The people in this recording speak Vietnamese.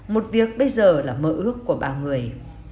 một việc bây giờ là mơ ước của ba người